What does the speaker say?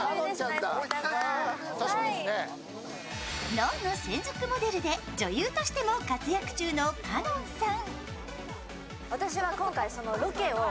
「ｎｏｎ−ｎｏ」専属モデルで女優としても活躍中の香音さん。